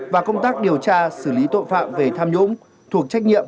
và công tác điều tra xử lý tội phạm về tham nhũng thuộc trách nhiệm